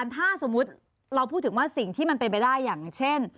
ถ้าสมมุติเราพูดถึงว่าสิ่งที่มันเป็นไปได้อย่างเช่น